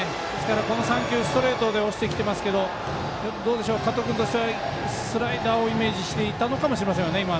この３球、ストレートで押してきていますけど加藤君としてはスライダーをイメージしていたのかもしれません。